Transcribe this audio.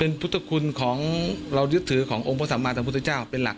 เป็นพุทธคุณของเรายึดถือขององค์พระสัมมาทางพุทธเจ้าเป็นหลัก